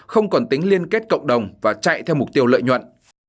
không còn tính liên kết cộng đồng và chạy theo mục tiêu lợi nhuận